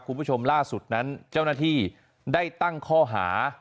คุณผู้ชมล่าสุดนั้นเจ้าหน้าที่ได้ตั้งข้อหา